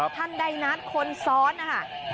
ท่านใดนัดคนซ้อนอะค่ะ